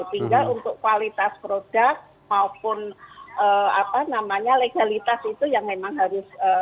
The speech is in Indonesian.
tinggal untuk kualitas produk maupun legalitas itu yang memang harus